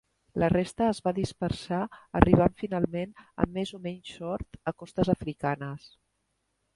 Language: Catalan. La resta es va dispersar arribant finalment, amb més o menys sort, a costes africanes.